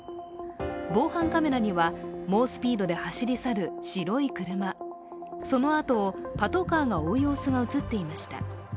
防犯カメラには猛スピードで走り去る白い車そのあとをパトカーが追う様子が映っていました。